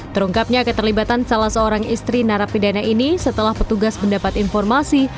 terungkapnya keterlibatan salah seorang istri narapidana ini setelah petugas mendapat informasi